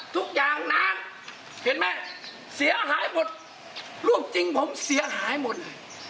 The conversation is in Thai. ทุกอย่างน้ำเห็นไหมเสียหายหมดลูกจริงผมเสียหายหมด